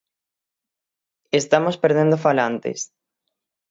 Estamos perdendo falantes.